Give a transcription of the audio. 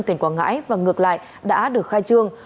tỉnh quảng ngãi và ngược lại đã được khai trương